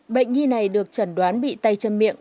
bệnh nhi này được chẩn đoán bị tay chân miệng